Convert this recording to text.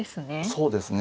そうですね。